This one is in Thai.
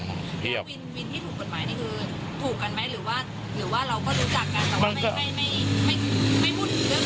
วินที่ถูกบทหมายนี่คือถูกกันไหมหรือว่าเราก็รู้จักกันแต่ไม่พูดเรื่องดีกันไหม